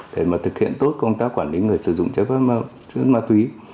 để mà thực hiện tốt công tác quản lý người sử dụng trái phép chất ma túy